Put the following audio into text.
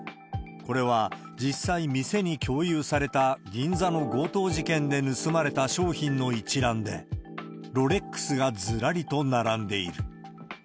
これは実際店に共有された銀座の強盗事件で盗まれた商品の一覧で、ロレックスがずらりと並んでいる。